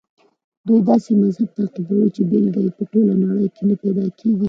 دوی داسې مذهب تعقیبوي چې بېلګه یې په ټوله نړۍ کې نه پیدا کېږي.